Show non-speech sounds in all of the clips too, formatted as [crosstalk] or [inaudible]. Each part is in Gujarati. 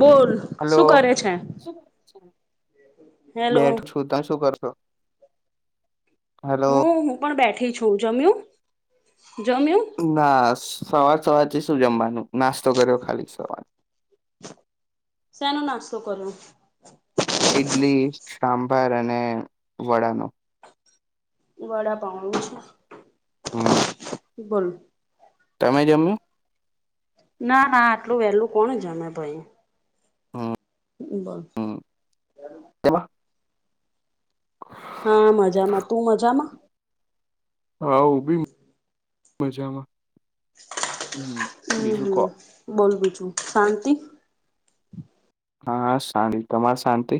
બોલ હલો શું કરે છે. હેલો બેઠ છું તા શું કરશો. હેલો હું હું પણ બેઠી છું જમ્યું. જમ્યું ના સવાર સવારથી શું જમવાનું નાસ્તો કર્યો ખાલી સવાર. શેનો નાસ્તો કર્યો? ઈડલી, સાંભાર અને વડાનો. વડા પાઉું છું. હમ્મ. [unintelligible] કરું તમે જમ્મુ? ના ના આટલું વેલું કોણ જમે ભાઈ. હ બહ [unintelligible] તેમાં. હા મજામાં, તું મજામાં? હા ઉ બી મજામાં. હમ બીજું કો હમ બોલ બીજુ શાંતિ. હા શાંત તમારે શાંતિ?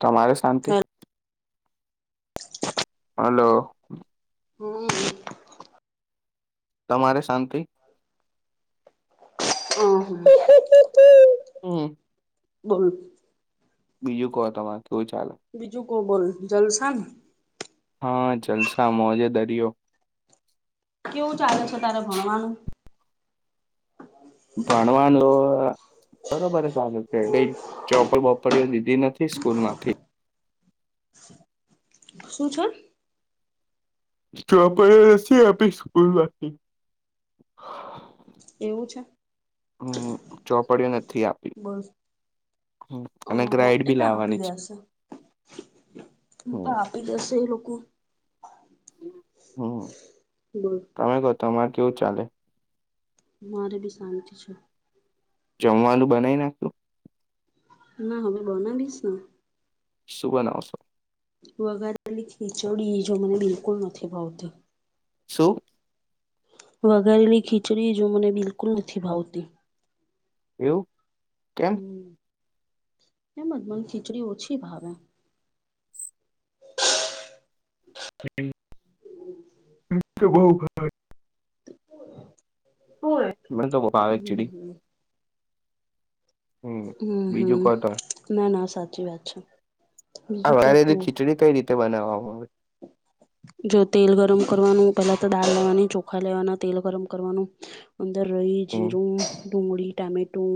તમારે શાંતિ. હલો. હમ્મ. તમારે શાંતિ. અ હ. હમ. બોલ. બીજું કહો તમારે કેવું ચાલે? ઓ બોલ જલસાન. હા જલસા મોજે દરિયો. કેવું ચાલે છ તારે ભણવાનું. ભણવાનું બરોબર ચાલે છે કઈ ચોપડી-બોપડીઓ દીધી નથી. ઈસ્કૂલ માંથી. શું છે? ચોપડીઓ નથી આપી સ્કૂલમાંથી. એવું છે હમ ચોપડીઓ નથી આપી બોલ અ અને હ ગ્રાઇડ બી લાવવાની છે. હમ પાપી દસેે એ લો બોલ. હમ તમે કહો તમારે કેવું ચાલે? મારે બી શાંતિ છે. જમવાનું બનાઈ નાખ્યુ? ના હવે બનાવીશ ને. શુ બનાવોસો? વઘારલી ખીચડી જો મને બિલકુલ નથી ભાવતી. શુ? વઘારેલી ખીચડી જો મને બિલકુલ નથી ભાવતી. એવું. કેમ હમ એમજ મને ખીચડી ઓછી ભાવે. હમ [unintelligible] તે બવ ભાવે. મને તો [unintelligible] હમ હમ્મ બીજું હમ્મ કહો તમે ના ના સાચી વાત છે. આ બીજું કે વઘારેલી તું ખીચડી કઈ રીતે બનાવવામાં આવે? જો તેલ ગરમ કરવાનું પેલા તો દાળ લેવાની ચોખા લેવાના તેલ ગરમ કરવાનું રઇ, હમ જીરું, ડુંગળી, ટામેટું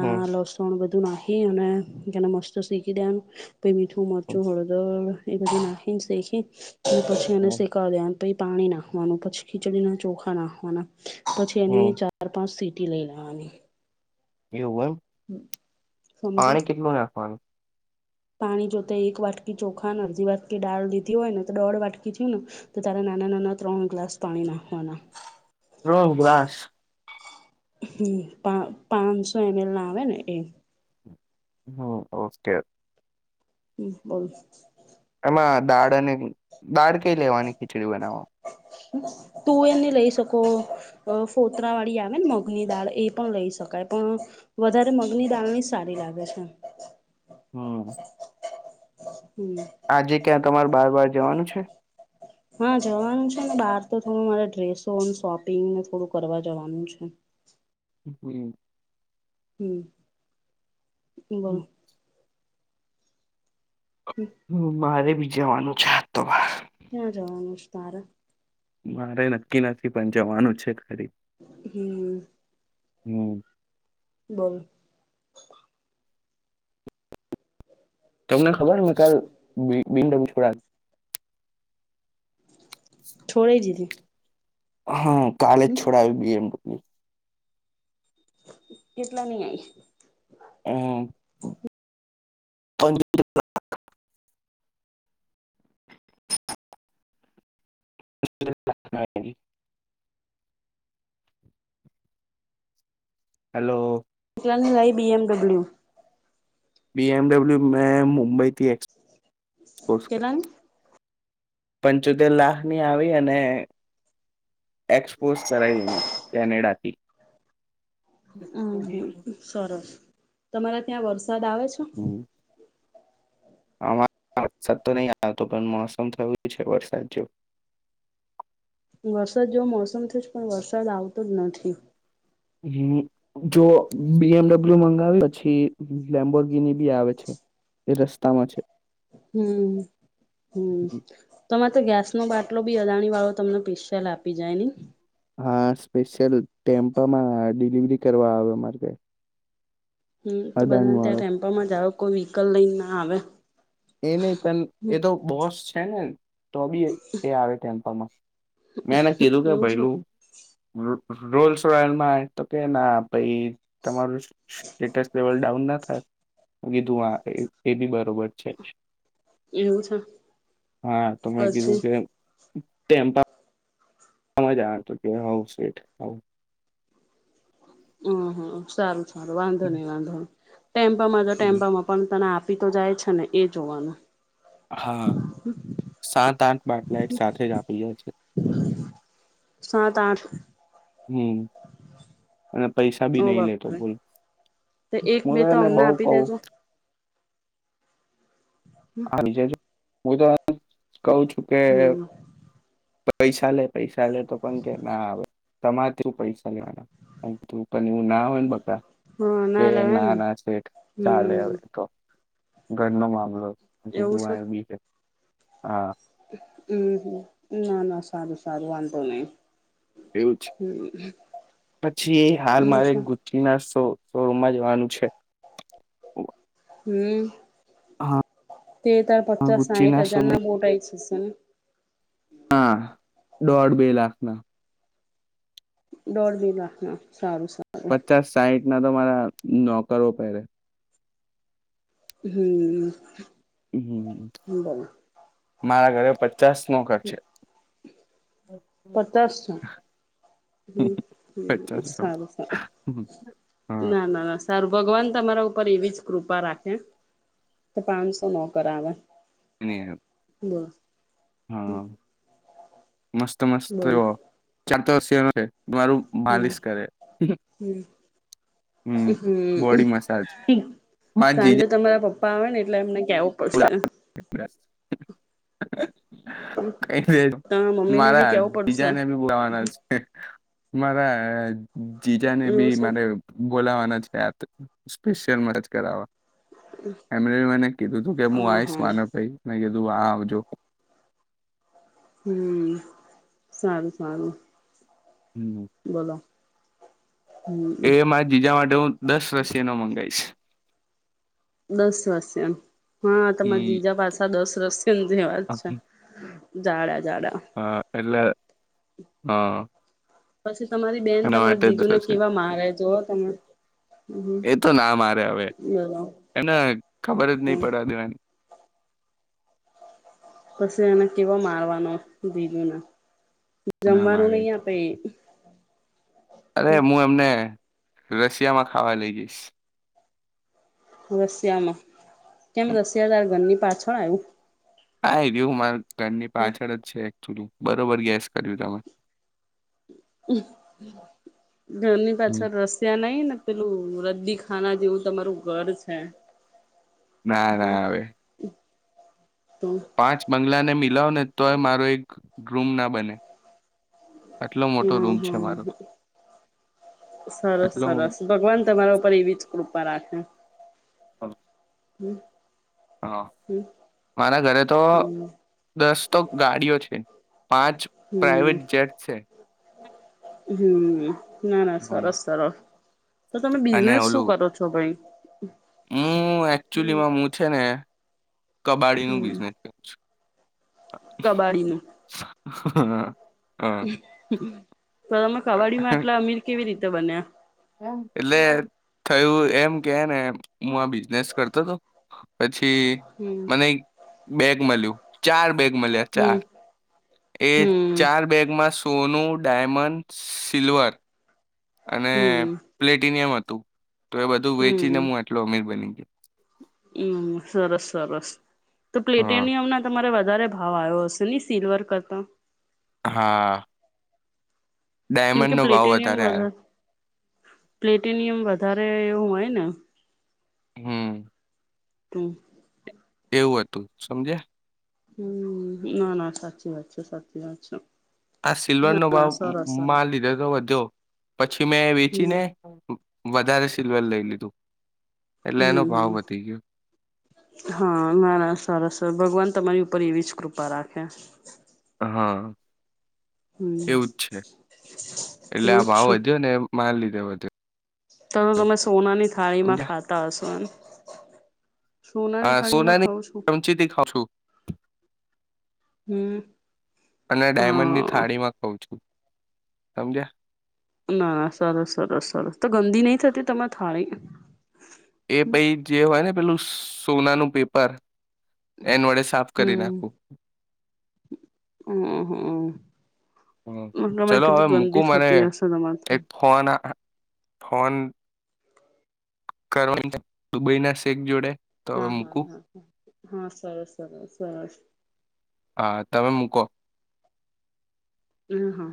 હમ લસણ, બધું નાખી અનેને મસ્ત શીકી દેવાનું. મીઠું મરચું હળદર એ બધી નાખી શીખી પછી એ અને હમ શીખ દે પ પાણી નાખવાનું પછી ખીચડીના ચોખા નાખવાના પછી એની હમ ચાર પાંચ સીટ લઈ લવાની એવું પાણી સમજ્યા કેટલું નાખવાનું પાણી જોતે એક વાટકી ચોખા ને અડધી વાટકી ડાળ લીધી હોય ને તો દોઢ વાટકી થયું ને તો તારે નાના નાના ત્રણ ગ્લાસ પાણી નાખવાના. રોહ ગાસ હમ્મ પાંચસો એમ એલ ના આવે ને એ. હમ્મ ઓકે. હમ્મ બોલ એમાં દાળ અને દાળ કઈ લેવાની ખીચડી બનાવો તુંવેર ની લઈ શકો ફોતરા વાળી આવે ને મગની દાળ એ પણ લઈ શકાય. પણ વધારે મગની દાળ ની સારી લાગે છે. હાં. હમ આજે ક્યાં તમારે બાર બાર જવાનું છે? હા જવાનું છે ને બહાર તો થોડું મારે ડ્રેસો શોપિંગને થોડું કરવા જવાનું છે. [inaudible] હમ્મ. હમ્મ બોલો હ મારે બી જવાનું છે આ તો ક્યાં જવાનું છે તારે? મારે નક્કી નથી પણ જવાનું છે ખરી. હમ્મ. હમ્મ. બોલ તમને ખબર હ કાલ [unintelligible] છોડા દીધી. હા કાલેજ છોડાવ બીએમડબલ્યુ. કેટલા નહી આઈ. [inaudible] [inaudible] [inaudible] હેલો. કેટલાની આઈ એમડબ્લ્યુ બી એમડબલ્યુ મે મુંબઈ થી એક્સ કેટલાની? પંચોતેર લાખની આવી અને એક્સપોઝ કરાયને કેનેડાથી. હમ્મ હમ સરસ તમારા ત્યાં વરસાદ આવે છે? આ વરસાદ તો નહીં આવતો પણ મોસમ થયું છે, વરસાદ જો વરસાદ જોવ મોસમથી જ પણ વરસાદ આવતો જ નથી. હ જો બી એમડબલ્યુ મંગાવી પછી લેમ્બોગીની બી આવે છે. એ રસ્તામાં છે, હમ્મ હમ્મ તમારે તો ગેસ નો બાટલો બી અદાણી વાળો તમને પિસેલ આપી જાય નહી, હા, સ્પેશિયલ ટેમ્પામાં ડિલિવરી કરવા આવે અમારે કઈ હમ્મ તો બધાને ત્યાં ટેમ્પામાં જાવ કોઈ વ્હીકલ લઈને ના આવે. એ નહ પણ હમ એ તો બોસ છે ને તો બી એ આવે ટેમ્પલમાં. મેંને કીધું કે એવું છે ભૈલું રોલસરોયલમાં કે ના પાઈ તમારું સ્ટેટસ લેવલ ડાઉન ના થાય. કીધું આ એ બી બરોબર છે, એવું છે હા તો મેં કીધું પછી કે તેમ સમજત કે હ શટ હ હ સારું સારું વાંધો નહી વાંધો ન ટેમ્પામાં જો ટેમ્પામાં પણ તને આપ તો જાય છે ને એ જોવાનું. હા સાત આઠ બાટલા એક સાથે જ આપી જાય છે [inaudible] સાત આઠ હમ્મ અને પૈસા ઓ બી નઈ લેતો બાપરે ભૂલ એક હું બે તો એને અમને બઉ કહ આપી દેજો [inaudible] હું તો કહ છું કે હમ પૈસા લે પૈસા લે તો પ કે ના આવે, તમારેું પૈસા લેવાના તું પણને એવું ના હોય ને બકા હા કે ના લેવાય ને નાના સેઠ ચાલે હમ હવે તો ઘર નો મામલોધું બી છે હા હમ્મ ના ના સારું સારું વાંધો નહી, એવું છે પછી એ હાલ હમ મારે છું ગુચી નાશો, શોરૂમમાં જવાનું છે, હમ્મ હા તે તાર પચાસ સાહીઠ હજાર ના બોટ આવી જશે ને હા દોઢ બે લાખ ના દોડ બી રાખ ના સારું છે, પચાસ સાઈઠ ના તો મારા નોકરો પહેરે હમ્મ હમ બ મારા ઘરે પચાસ નો ઘર છે, પચાસસો હ પચાસ સારું સારું હા ના ના ના સારું ભગવાન તમારા ઉપર એવી જ કૃપા રાખે કે પાંચસો નો કરાવે અને હમ્મ હા મસ્ત મસ્ત બોલ [inaudible] મારું માલિશ હમ કરે, હમ બોડી મસાજ [inaudible] મા સાંજે જીજા તમારા પપ્પા આવે ને એટલે એમને કવું પડશે, [inaudible] ક તમારા મમ્મી ને બી મારા કેવું પડશે બીજાને એ બોલાવાના છે, મારા જીજાને એવું બી છે મારે બોલાવાના જ ત સ્પેશિયલ [inaudible] કરાવા એમણે મને કીધું તું કે હું હા આવીશ હા માનો ભાઈ મે કીધું, તું આ આવજો હમ સારું સારું હમ. બોલો હમ એ મા બીજા માટે હું દસ રસીનો મંગીશ દસ વાસ એમ હા તમા ઈ બીજા પાછા દસ રસ ા જાડા જાડા હા એલા હા પછી તમારી બેન એના તમારા માટે જીજુને જશે કેવા મારે જો તમે હમ એ તો ના મારે હવે બોલો એને ખબર જ નહી હમ પડવાદેવાની પછી એને કેવો મારવાનો દીધું ને ના જમવાનું મારે નહી આપે અરે હું એમને રશિયામાં ખાવા લઈ જઈશ રશિયામાં કેમ હમ. રશિયાતાર ઘરની પાછળ આવું. હા એ રહું મારા ઘરની પાછળ જ છે. બરોબર ગેસ કર્યું તમે, ધર હમ. પાછળ રશિયા નઈ ને, પેલું રદી ખાના જેવું તમારું ઘર છે. ના ના હવે તો પાંચ બંગલાને મિલાવ ને તો એ મારો એક રૂમ ના બને. આટલો મોટો હા રૂમ છે હા મારો હ સરસ એટલો સરસ ભગવાન તમારા ઉપર એવી જ કૃપા રાખે. હ હુ [unintelligible] હા મારા ઘરે તો, હમ દસ તો ગાડીઓ છે, પાંચ હમ પ્રાઇવેટ જેટ છે. હુ ના ના હમ. સરસ સરસ, તો તમે અને બિઝનેસ શું ઓલું કરો છો ભાઈ? હું હમ એકચુલીમાં હૂં છે ને, કબાડી નું બિઝનેસ કરું છું. કબાડીમાં હા. તો તમે કવાડીમાં એટલા અમીર કેવી રીતે બન્યા, એટલે થયું એમ કે ને હું આ બિઝનેસ કરતો હતો. પછી હમ મને બેગ મળ્યું, ચાર બેગ મળ્યા, હમ ચાર એ હમ ચાર બેગમાં સોનું, ડાયમંડ, સિલ્વર અને હમ પ્લેટિનિયમ હતું, તો એ બધું વેચીને હું આટલો અમીર બન્યો હુ સરસ સરસ, તો હા પ્લેટેનિયમ ના તમારે વ વધારે ભાવ આવ્યો હશે નહી સિલ્વર કરતા, હા ડાયમંડ કેમકે નો ભાવ પ્લેટનિયમ વધારે, આવ્યો પ્લેટનિયમ વધારે એવું હોય ને હમ હુ એવું હતું, સમજ્યા હુ ના ના સાચી વાત છે, સાચી વાત છે. આ ના સિલ્વરનો ભાવ ના સરસ સરસ મા લીધે તો વધ્યો. પછી મેં હમ વેચીને વધારે સિલ્વર લઈ લીધું. એટલે હુ એનો ભાવ હમ વધી ગયો હા મારા સરસ ભગવાન તમારી ઉપર એવીસ કૃપા રાખે. હા હમ એવુંજ છે એટલે આ એવું જ ભાવ છે વધ્યો ને મા લીધે વધજ તો તમે સોનાની થાળી માં ખાતા હશો, એમ સોનાની હા સોના થાળીમાં ની ખાવ છું ચમચીથી ખાઉ છું. હમ અને ડાયમંડની હા થાળીમાં ખાઉ છું. સમજ્યા? ના ના સરસ સરસ સરસ તો ગંદી નહી થતી તમારી થાળી? એ પાઈ જે હોય ને પેલું સોનાનું પેપર, એન વડે સાફ કરી નાખું. હમમ હમમ ચલો હવે મૂકું મને થતી હશે તમારે તો એક ફોન ફોન કરવા દુબઈ ના શેખ જોડે તો હવે હા હા મૂકું હા હા હા સરસ સરસ સરસ હા તમે મૂકો. એ હા